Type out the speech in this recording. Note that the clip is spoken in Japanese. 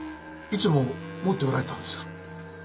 いつも持っておられたんですか？